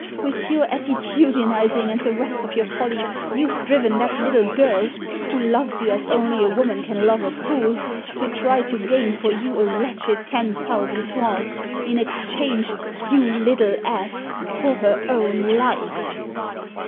"With your attitudinising, and the rest of your folly, you've driven that little girl, who loves you as only a woman can love a fool, to try to gain for you a wretched ten thousand francs in exchange, you little ass, for her own life."